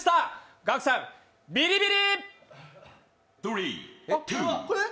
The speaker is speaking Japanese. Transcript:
ガクさん、ビリビリ！